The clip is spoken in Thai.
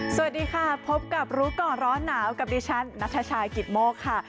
สวัสดีค่ะพบกับรู้ก่อนร้อนหนาวกับดิฉันนัทชายกิตโมกค่ะ